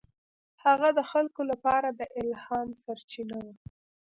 هغه د خلکو لپاره د الهام سرچینه وه.